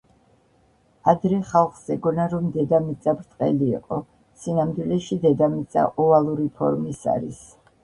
ადრე ხალსხ ეგონა რომ დედამიწა ბრტყელი იყო, სინამდვილეში დედამიწა ოვალური ფორმის არის.